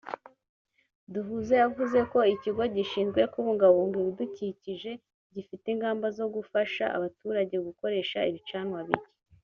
Duhuze yavuze ko ikigo gishinzwe kubungabunga ibidukikije gifite ingamba zo gufasha abaturage gukoresha ibicanwa bike